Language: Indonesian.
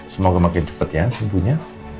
semoga makin cepet ya sebetulnya